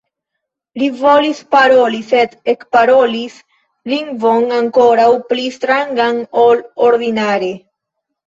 Li volis paroli, sed ekparolis lingvon ankoraŭ pli strangan ol ordinare.